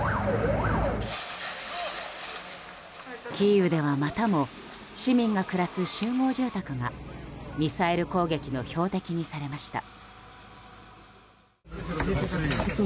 キーウでは、またも市民が暮らす集合住宅がミサイル攻撃の標的にされました。